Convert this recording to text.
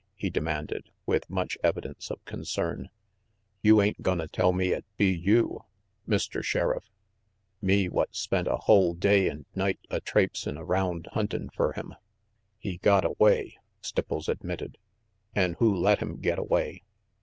he demanded, with much evidence of concern. "You ain't gonna tell me 'at, be you, Mr. Sheriff, me what spent a hull day and night a traipsin' around huntin' fer him "He got away," Stipples admitted. "An' who let him get away?